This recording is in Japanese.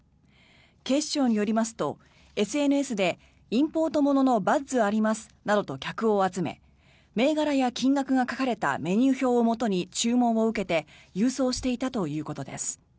警視庁によりますとＳＮＳでインポート物のバッズありますなどと客を集め銘柄や金額が書かれたメニュー表をもとに注文を受けて郵送していたということです。